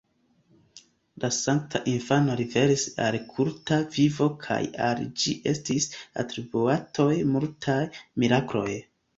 La Sankta Infano revenis al kulta vivo kaj al ĝi estis atribuitaj multaj mirakloj.